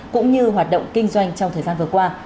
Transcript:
cũng như hoạt động kinh doanh trong thời gian vừa qua